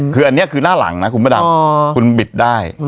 คืออันนี้คือหน้าหลังนะคุณพระดำคุณบิดได้